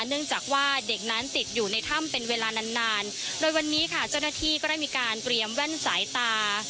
เนื่องจากว่าเด็กนั้นติดอยู่ในถ้ำเป็นเวลานานนานโดยวันนี้ค่ะเจ้าหน้าที่ก็ได้มีการเตรียมแว่นสายตา